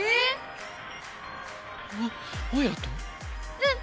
うん！